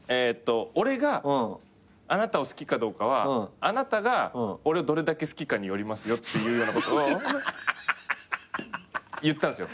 俺があなたを好きかどうかはあなたが俺をどれだけ好きかによりますよっていうようなことを言ったんですよ。